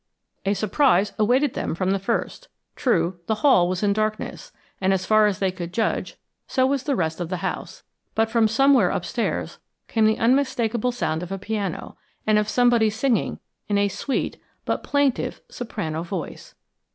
A surprise awaited them from the first. True, the hall was in darkness, and, as far as they could judge, so was the rest of the house. But from somewhere upstairs came the unmistakable sound of a piano, and of somebody singing in a sweet but plaintive soprano voice.